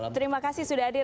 terima kasih sudah hadir